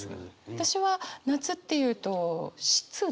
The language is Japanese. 私は夏っていうと湿度。